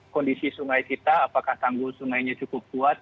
kondisi sungai kita apakah tanggul sungainya cukup kuat